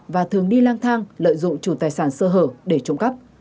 và thường đi lang thang lợi dụng chủ tài sản sơ hở để trộm cắp